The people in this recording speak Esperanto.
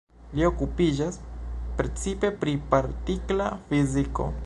Li okupiĝas precipe pri partikla fiziko.